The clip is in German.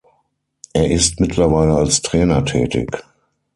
Er ist mittlerweile als Trainer tätig.